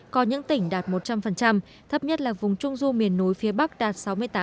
có những tỉnh đạt một trăm linh thấp nhất là vùng trung du miền núi phía bắc đạt sáu mươi tám